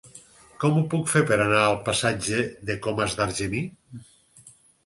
Com ho puc fer per anar al passatge de Comas d'Argemí?